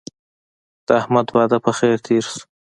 د احمد واده په خیر تېر شو.